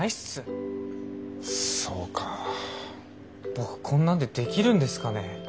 僕こんなんでできるんですかね？